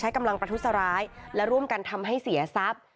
กำลังประทุษร้ายและร่วมกันทำให้เสียทรัพย์